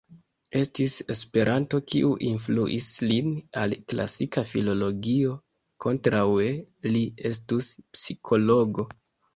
Estis esperanto kiu influis lin al klasika filologio; kontraŭe li estus psikologo.